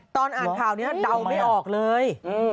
ตอนอ่านข่าวนี้เดาไม่ออกเลย